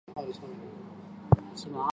县名来自波尼族印第安人。